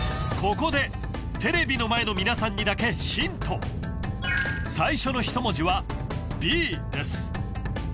ここでテレビの前の皆さんにだけヒント最初の１文字は「Ｂ」です